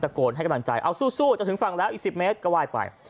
โกนให้กำลังใจเอาสู้จนถึงฝั่งแล้วอีก๑๐เมตรก็ว่าไป